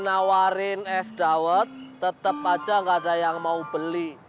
nawarin es dawet tetap aja nggak ada yang mau beli